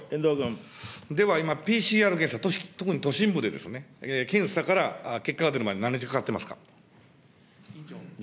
では、今、ＰＣＲ検査、特に都心部で検査から結果が出るまで、何日かかってますか。